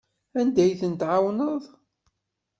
Anda ay ten-tɛawneḍ?